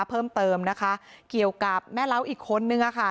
เพิ่มเติมนะคะเกี่ยวกับแม่เล้าอีกคนนึงอะค่ะ